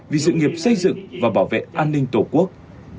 vì sự nghiệp xây dựng và bảo vệ an ninh tổ quốc